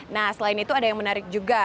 nah selain itu ada yang menarik juga